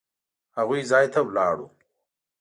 هغوی ځای ته ولاړو.